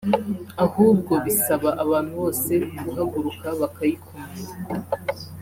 ahubwo bisaba abantu bose guhaguruka bakayikumira